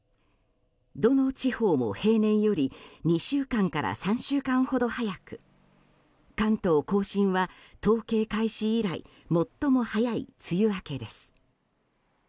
どの地方も平年より２週間から３週間ほど早く関東・甲信は統計開始以来最も早い梅雨明けです。